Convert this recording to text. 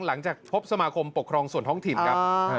หลังจากพบสมาคมปกครองส่วนห้องทีมกับ